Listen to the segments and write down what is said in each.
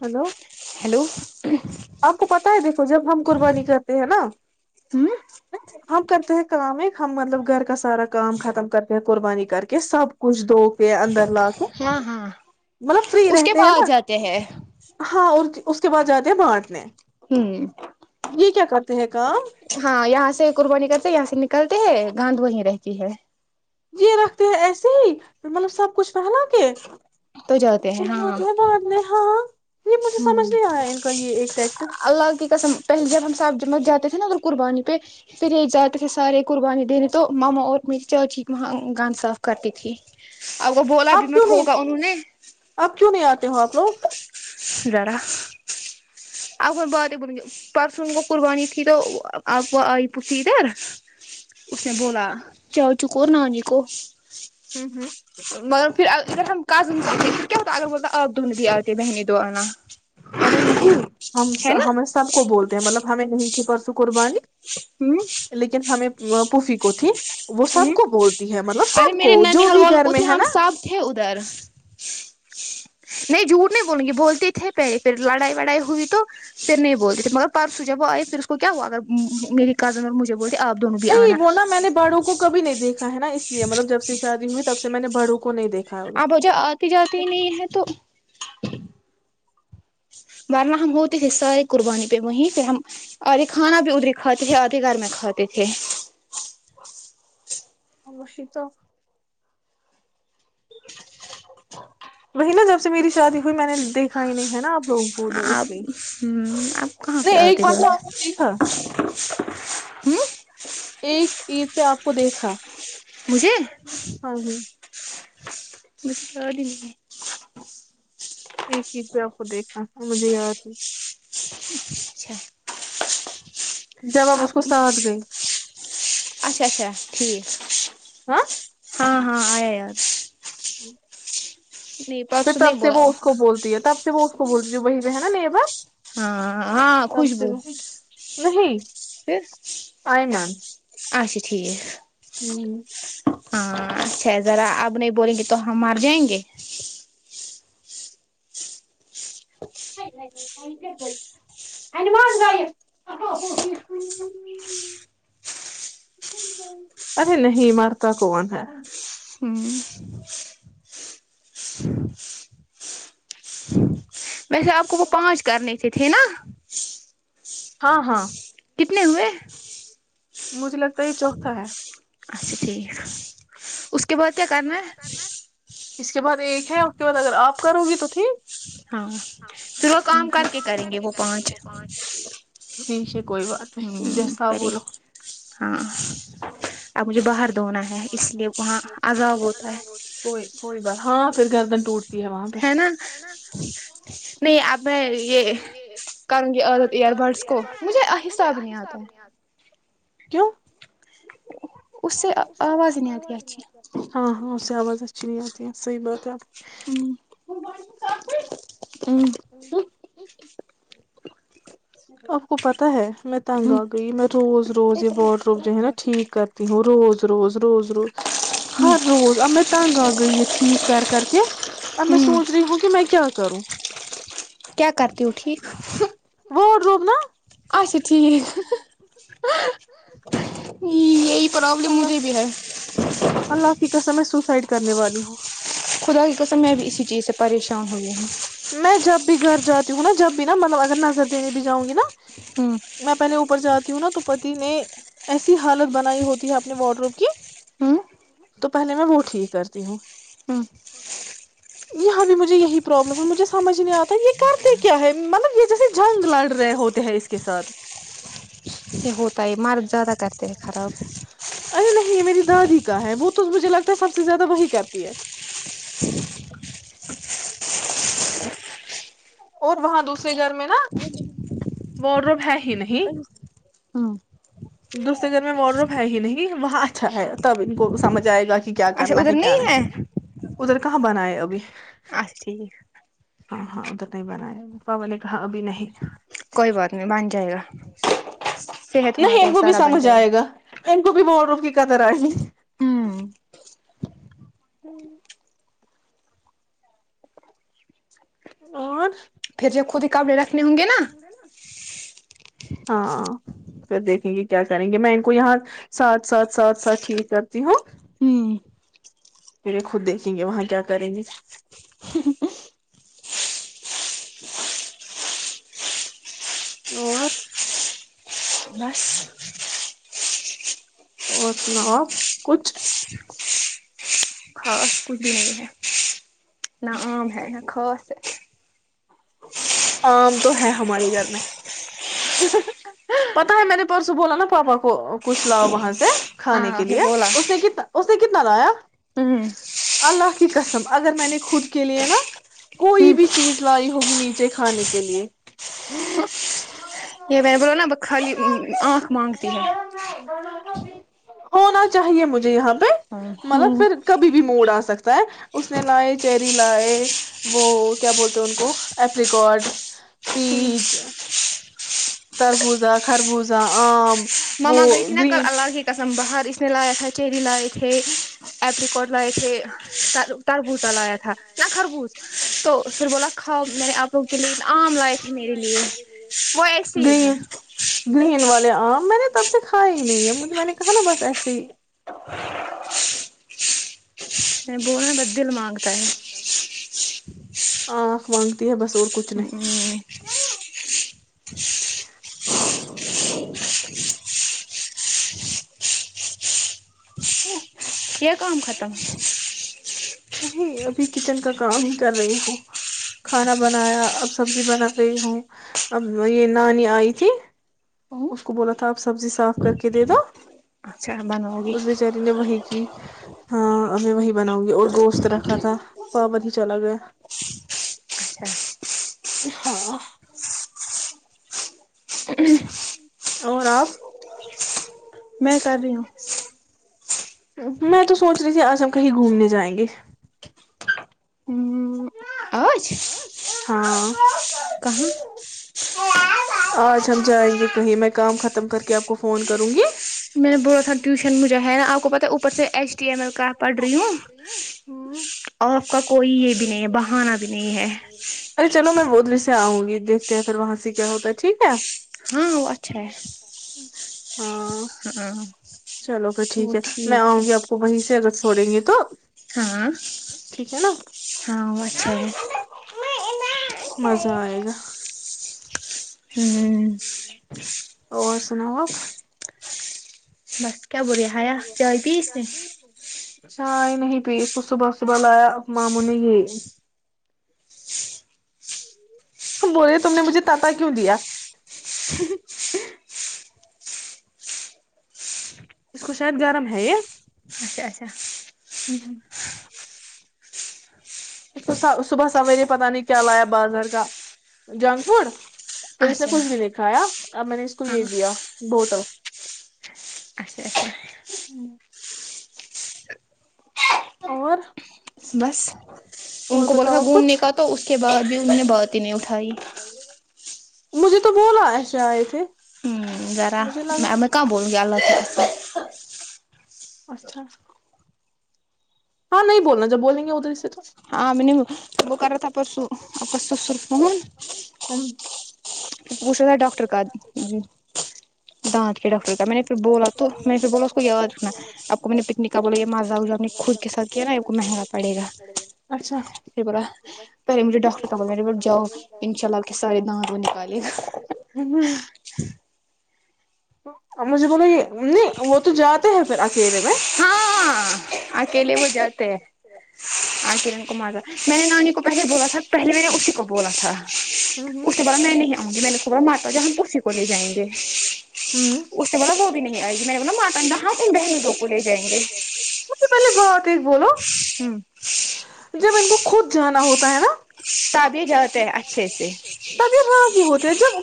hello hello آپ کو پتا ہے دیکھو جب ہم قربانی کرتے ہیں نا ہوں ہم کرتے ہیں کام ایک ہم مطلب گھر کا سارا کام ختم کر کے قربانی کر کے سب کچھ دھو پ اندر لا کے ہاں ہاں مطلب فری اس کے رہتے ہیں بعد نا جاتے ہیں ہاں اور اس کے بعد جاتے ہیں بانھ اپ ہ ہیں کام ہاں یہاں سے قربانی کرتے یہاں سے کرلتے ہے گاند وہیں رہتی ہے یہ رکھتے ہیں ایسے ہی مطلب سب کچھ رہلا کے تو بان ہاں یہ مجھے ہ سمجھ نہیں آیا ان کا یہ ایک ٹیکٹر اللہ کی قسم پہلے جب ہم صاحبت جاتے تھے نا ا قربانی پہ پھر یہ جاتے تھے سارے قربانی دینے تو ماما اور میری چاچی وہاں گان صاف کرتی تھی اور وہ بولاب آپ کیوں میںت نہیں ہوگا انہوں نے آپ کیوں نہیں آتے ہو آپ لوگ ذرا اب باتیں بول پرسوں ان کو قربانی تھی تو اب وہ آئی پوی ادھر اس نے بولا چا چوک نانی کو ہ ہ مگر پھر اگر ہم کزنس آتے پھر کیا ہوتا ہے اگر بولتا آپ د نہیں بھی آتے بہنت دو آنا ارے نہیں ہم ہے نا ہمیں سب کو بولتے ہیں مطلب ہمیں نہیں کیا کرسو کرربانی لیکن ہمیں پوفی کوتھی وہ سب کو بولتی ہے مطلب ارے سب کو میرے جو ننیحال بھی والوں گھر کو تھے میں ہے ہم نا سب تھے ادھر نہیں جھوٹ نہیں بولوں گی بولتے تھے پہلے پھر لڑائی وڑائی ہوئی تو پھر نہیں بولتی تھے مگر پرسوں جب وہ آئے پھر اس کو کیا ہوا اگر میری کزن اور مجھے بول تو آپ دونوں بھی آنا کب نہیں دیکھا ہے نا اس لیے مطلب جب سے شادی ہو تب سے میں نے بڑوں کو نہیں دیکا اب وجہ آتی جاتی نہیں ہے تو السلام علیکم محترم بارماہ ہم ہوتے تھے ساری قربانی پہ وہیں پھر ہم آدے کھانا بھی ادری کھاتے تھے آھے گھر میں کھاتے تھے مش تو وہی نا جب سے میری شادی ہوئی میں نے دیکھا ہی نہیں ہے نا آپ لوگ ب اس لیے آپ ہ آپ کہاں پ نہیں آتے ایک بار جا ہوں تو آپ کو دیکھا ایک عید پہ آپ کو دیکھا بھے ہاں ہاں بس س د ایک ہییز میں آپ کو دیکھا تھا مجھے یاد ہے اچھا جباب آپ اس کو ساتھ گئی اچھا اچھا ٹھیک ہ ہاں ہاں آیا یار ہی پھر تب نہیں سے بولا وہ اس کو بولتی ہے تب سے وہ بولی وہہ پے ہے نا نہیںا ہاں ہاں خوشبو نہیں ا نہیں ن اچھا ٹھیک ہاں اچھا ہے ذرا اب نہیں بولیں گے تو ہم مار جائیں گے ارے نہیںمرتا کون ہے ہوں ویسے آپ کو وہ پانچ کرنے تھے تھے نا ہاں ہاں کتنے ہوئے مجھے لگتا یہ چوتھا ہے اچھا ٹھیک ا [unintelligible] کے بعد کیا کرنا ہے اس کے بعد ایک ہے اس کے بعد اگر آپ کرو گی تو ٹھیک ہاں توھر وہ کام کر کے کریں گے وہ پانچ جی س [unintelligible] ہوں پری ہاں [unintelligible] آ مجھے بر [unintelligible] اں م ہوتا ہے کو کوئی بات ہاں پھر گردن ٹوٹ [unintelligible] ہے نا نہیں اب میں یہ کروں گی ایئر بڈس کو مجھے حصہ بھی نہیں آتا ہے کیوں [unintelligible] اس سے آواز ہی نہیں آتی اچھی ہاں ہاں اسی آواز [unintelligible] آ صحیح بات آپ ہوں [unintelligible] ہ [inaudible] آپ کو پتہ ہے میں تنگ آ گئی میں روز روز یہ واڈ روم جو ہے نا ٹھیک کرتی ہوں روز روز روز روز ہر روز اب میں تنگ آ گئی یہ ٹھیک کر کر کے اب میں سوچ رہی ہوں کہ میں کیا کروں کیا کرتی ہو ٹھیک [unintelligible] ووٹ روپ نا [unintelligible] آ [unintelligible] ٹھیک [unintelligible] یہی پرابلم اللہ مجھے بھی ہے اللہ کی قسم میں سوسائڈ کرنے والی ہوں خدا کی قسم میں بھی اسی چیز سے پریشان ہوئی میں جب بھی گھر جاتی ہوں نا جب نا مطلب اگر نظر دینے بھی جاؤ گی نا ہوں میں پہلے ا [unintelligible] جاتی ہوں نا تو پتی نے ایسی حالت بنائی ہوتی ہے اپنے وارڈروم کی ہوں تو پہلے میں وہ ٹھیک کرتی ہوں ہوں یہاں بھی مجھے یہی پرابلم ہے مجھے سمجھ نہیں آتا یہ کرتے کیا ہے مطلب یہ جیسے جنگ لڑ رہے ہوتے ہیں اس کے ساتھ یہ ہوتا ہے مارک زیادہ کرتے ہیں خراب ارے [unintelligible] یہ میری دادی کا ہے وہ تو مجھے لگتا ہے سب سے زیادہ وہی کرتی ہے اور وہاں دوسرے گھر میں نا و روم ہے ہی نہیں ہوں دوسرے گھر میں وار رووم ہے ہی نہیں وہاں اچھا ہے تب ان کو سمجھ آئے گا کہ کیا اچھا کرنا ادھر کیا نہیں ہے [unintelligible] ادھر کہاں بناائے ابھی بس ٹھیک ہاں ہاں اب تک نہیں بنایا بابا نے کہا ابھی نہیں کوئی بات نہیں بان جائے گا صحت ہونا نہیں ان چاہیے کو بھی سارا بن سمجھ جائے آئے گا ان کو بھی ورڈروب کی قدر آئے ہوں اور پھر جب خود ہی کپڑے رکھنے ہوں گے نا ہاں پھر دیکھیں گے کیا کریں گے میں ان کو یہاں ساتھ ساتھ ساتھ ساتھ ٹھیک کرتی ہوں پھر یہ خود دیکھیں گے وہاں کیا کریں گے اور بس تو اور سناؤ آپ کچھ خاص کچھ بھی نہیں ہے [inaudible] [unintelligible] آم تو ہے ہمارے گھر میں پتا ہے میرے پرسوں بولا نا پاپا کو کچھ لاؤ وہاں سے کھانے ہاں کے آپ نے لیے بولا اس نے ک اس کتنا لایا ہوں اللہ کی قسم اگر میں نے خود کے لیے نا کوئی ہوں بھی چیز لائی ہوگی نیچے کھانے کے لیے یہ میں نے بلاو نا ب خالی آنکھ مانگتی ہے ہونا چاہیے مجھے یہاں ہاں مطلب پھر کبھی بھی موڈ آ سکتا اس نے لائے چیری لائے وہ کیا بولتے ہیں ان کو ایپریکارڈ پیچ تربوزہ خربوزہ آم وہ ماما گئی تھی نہا کل گرین اللہ کی قسم باہر اس میں لایا تھا چیری لائے تھے ایپریکٹ لائے تھے تربوتا لایا تھا نہ خربوس تو پھر بولا کھاؤ میرے آپ لو کے لیے آم لائے تھے میرے لیے وہ ایسے ہی ہے آ میں نے تب سے کھا ہی نہیں ہے مجھے میں نے کہا نا بس ایسے ہی بولنے بدے ل م مانگتا ہے آکھ مانگتی ہے بس اور کچھ نہیں [unintelligible] [inaudible] [inaudible] یہ کام ختم ہے نہیں ابھی کچن کا کام ہی کر رہی ہوں کھانا بنایا اب سبزی بنا رہی ہوں اب یہ نانی آئی تھی اس کو بولا تھا آپ سبزی صاف کر کے دے دو اچھا بنؤ گی جی ہاں ا وہی بناؤں گی اور گوشت رکھا تھا پاپند ہی چلا گیا اچھا ہاں اور آپ میں کر رہی ہوں میں تو سوچ رہی تھی آج ہم کہیں گھومنے جائیں گے ہوں آج ہاں کہاں آج ہم جائیں گے کہیں میں کام ختم کر کے آپ کو فون کروں گی میں نے بولا تھا ٹیوشن مجھے ہے نا آپ کو پتا ہے اوپر سے H S T M A کا پڑھ رہی ہوں اور آ کا کوئی یہ بھی نہیں ہے بہانا بھی نہیں ہے ارے چلو میں بودریے سے آؤں گی دیکھتے ہیں پھر وہاں سے کیا ہوتا ہے ٹھیک ہے ہاں وہ اچھا ہے ملتا ٹیک ہاں ہاں چلو پھر ٹھیک وہ ہے میں ہے آؤں گی آپ کو وہیں سے چھوڑیں گے تو ہاں ٹھیک ہے نا ہاں اچھا ہے مزہ آئے گا ہوں اور سناؤ بس کیا بوولیا ہایا جئی ت اس نے اچھا ہی نہیں پ اس کو صبح صبح لایا ا ماموں نے یہ ہم بول رہے تم نے مجھے تتا کیوں دیا اس کو شاید گرم ہے یہ اچھا اچھا اس کو صبح سویرے پت نہیں کیا لایا بازار کا جنک فوڈ پھر اس نے اچھا کچھ بھی لکھایا اب میں نے اس کو ہاں یہ دیا بوتل اچھا اچھا ہ اور [unintelligible] بس ان اور کو بولا بتاؤ تھا آپ کچھ گھومنے کا تو اس کے بعد بھی انہوں نے بات ہی نہیں اٹھائی مجھے تو بولا ایسے آئے تھے ہوں ذرا مجھے میں میں کہاں بولوں گی اللہ کی لگایا قسم اچھا ہاں نہیں بولنا جب بولیں گے ادھر سے تو آ میںب کرار تپسپسسر فون ہم پ پوچھا تھا ڈاکٹر کا ج دانت کے ڈاکٹر کاا میں نے پھر بولا تو میں نے پھر بولا اس کو یاد رکھنا آپ کو میں نے پکنک کا بولا یہ مزہ اپ نے خود کے ساتھ کیا نا آپ کو مہنگا پڑے گا اچھا پھر بولا پہلے مجھے ڈاکٹر کا بولا میرے ب جا انشاء اللہ کے سارے دانت و نکال ہ ہوں [unintelligible] مجھے بولو یہ نہیں وہ تو جاتے ہیں پھر س رہے میں آ کے لیے وہو جتے آ کرن کمار میں نے نانی کو پہلے بولا تھا پہلے میں نے اسی کو بولا تھا اس کے ہ بولا میں نہیں آؤںی میں نے اس بو ماتا جی ہم اسسی کو لے جائیں گے ہ اس سے بولا وہ بھی نہیں آئے گی م میں نے بولا ماتا ہاں تم رہنے دو کو لے جائیں گے اس سے پہلے بات ایک بولو ہمم جب ان کو خود جانا ہوتا ہے نا [unintelligible] ت تبگر رضی ہوتی [unintelligible] جب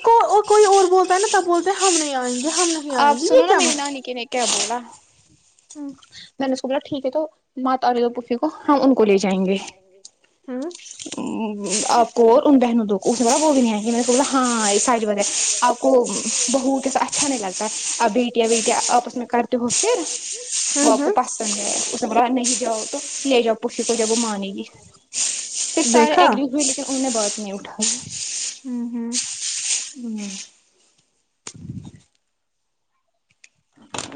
کوئی اور بولتا ہے نا تب بولتے ہیں ہم نہیں آئیں گے [unintelligible] آئیں آپ گے سنو یہ نا کیا میری مسئلہ نانی کے نے کیا بولا [unintelligible] میں نے سوچا ٹھیک ہے تو ماں تاری تو پی ہم ان کو لے جائیں گے ہ [unintelligible] آپ [inaudible] کو اور ان بہنوں دو کو اس بڑا وہ بھی نہیں آ گ ہاں سائڈ آ کو بہت ایسا اچھا نہیں لگا [unintelligible] ا بیٹیا بیٹیا آپس میں کرتے ہو پھر وہ آپ کو ہ پسند ہے اس نہیں جاؤ تو لے جاؤ پفی کو جب وہ مانے گی پھر سارے دیکھا ایگری ہوئے ل [unintelligible] میں نے بات نہیں اٹھائی [inaudible] ہوں ہوں [inaudible] ہ [unintelligible] [inaudible]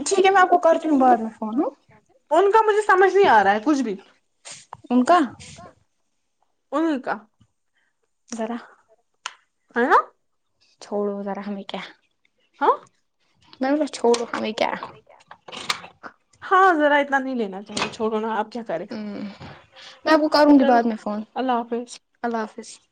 ٹھیک ہے میں آپ کو کر [unintelligible] ان کا مجھے سمجھ نہیں آ رہا ہے کچھ بھی انن کا [inaudible] ان کا [inaudible] برا [inaudible] ہ [inaudible] چھوڑو ذرا ہمیں کیا [unintelligible] ہاں [inaudible] میں ب چھوڑ ہ میں کیا [unintelligible] ہاںر آ [inaudible] ہ میں آپ کو کروں گی چلو بعد میں فون اللہ حافظ اللہ حافظ [unintelligible]